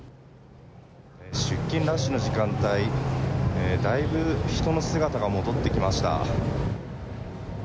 出勤ラッシュの時間帯、だいぶ人の姿が戻ってきました。